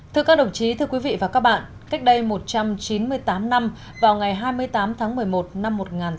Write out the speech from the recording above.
thưa các đồng chí thưa quý vị và các bạn cách đây một trăm chín mươi tám năm vào ngày hai mươi tám tháng một mươi một năm một nghìn chín trăm bốn mươi